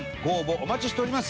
お待ちしております。